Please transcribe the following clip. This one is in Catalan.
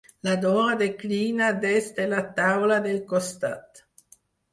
La Dora declina des de la taula del costat.